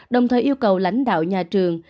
đồng thời yêu cầu lãnh đạo nhà trường